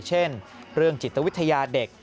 เช่นเรื่องจิตวิทยาเด็ก